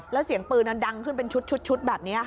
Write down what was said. แล้วเสียงปืนดังขึ้นเป็นชุดแบบนี้ค่ะ